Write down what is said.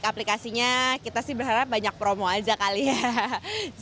aplikasinya kita sih berharap banyak promo aja kali ya